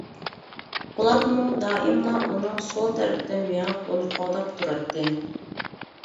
پولاتمۇ دائىملا ئۇنىڭ سول تەرىپىدىن مېڭىپ ئۇنى قوغداپ تۇراتتى.